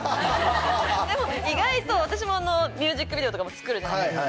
でも意外と私もミュージックビデオとかも作るじゃないですか。